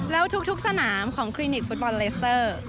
แล้วทุกสนามของคลินิกฟุตบอลเลสเตอร์